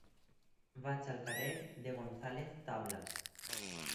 Vaig al carrer de González Tablas.